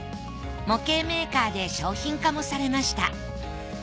模型メーカーで商品化もされました。